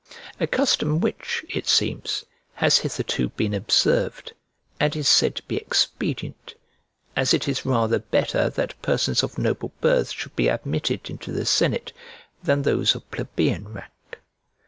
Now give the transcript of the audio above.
A custom which, it seems, has hitherto been observed, and is said to be expedient, as it is rather better that persons of noble birth should be admitted into the senate than those of plebeian rank.